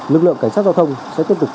lực lượng cảnh sát giao thông sẽ tiếp tục